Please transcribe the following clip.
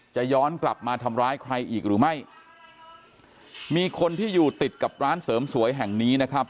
จะย้อนกลับมาทำร้ายใครอีกหรือไม่มีคนที่อยู่ติดกับร้านเสริมสวยแห่งนี้นะครับ